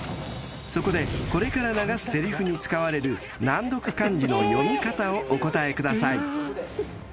［そこでこれから流すせりふに使われる難読漢字の読み方をお答えください］